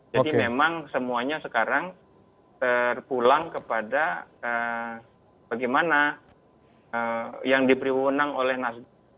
jadi memang semuanya sekarang terpulang kepada bagaimana yang diperwenang oleh nasdem